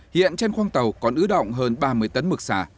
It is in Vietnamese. hiện trên khoang tàu còn ứ động hơn ba mươi tấn mực xà